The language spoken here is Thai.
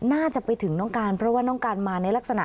น่าจะไปถึงน้องการเพราะว่าน้องการมาในลักษณะ